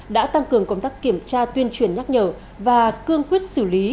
đã tăng cường công tác kiểm tra tuyên truyền nhắc nhở và cương quyết xử lý